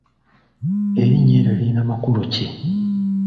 Erinnya eryo lirina makulu ki?